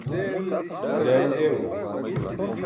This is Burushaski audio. jaa in eewaram